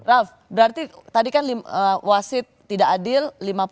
ralf berarti tadi kan wasit tidak adil lima puluh satu